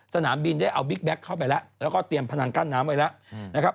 สนามบินได้เอาบิ๊กแก๊กเข้าไปแล้วแล้วก็เตรียมพนังกั้นน้ำไว้แล้วนะครับ